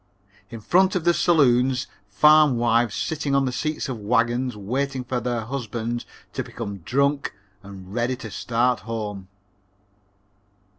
In front of the saloons, farm wives sitting on the seats of wagons, waiting for their husbands to become drunk and ready to start home."